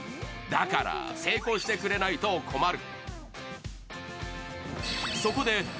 だから成功してくれないと困る。